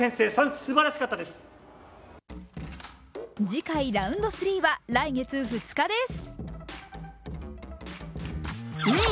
次回ラウンド３は来月２日です。